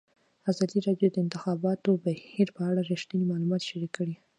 ازادي راډیو د د انتخاباتو بهیر په اړه رښتیني معلومات شریک کړي.